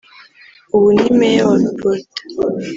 ubu ni meya wa Bordeaux